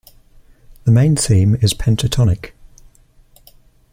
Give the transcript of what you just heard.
The main theme is pentatonic.